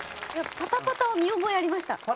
パタパタは見覚えありました。